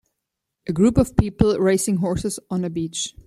A group of people racing horses on a beach.